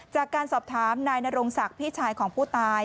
จากการสอบถามนายนรงศักดิ์พี่ชายของผู้ตาย